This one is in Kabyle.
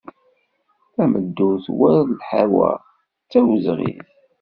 Tameddurt war lhawa d tawezɣit.